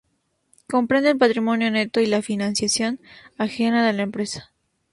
Comprende el patrimonio neto y la financiación ajena de la empresa.